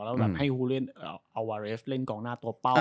แล้วแบบให้ออวาเรสเล่นกองหน้าตัวเป้า